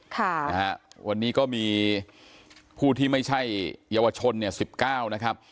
ค่ะนะฮะวันนี้ก็มีผู้ที่ไม่ใช่เยาวชนเนี่ยสิบเก้านะครับ